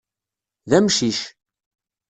D amcic.